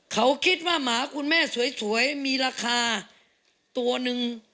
เขาคิดว่าหมาคุณแม่สวยมีราคาตัวหนึ่ง